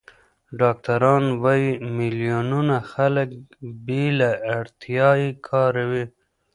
ډاکټران وايي، میلیونونه خلک بې له اړتیا یې کاروي.